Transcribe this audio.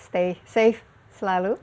stay safe selalu